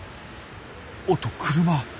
おっと車！